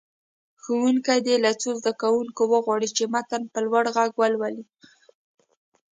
ښوونکی دې له څو زده کوونکو وغواړي چې متن په لوړ غږ ولولي.